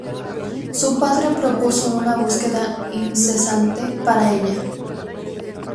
Su padre propuso una búsqueda incesante para ella.